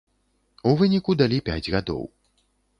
У выніку далі пяць гадоў.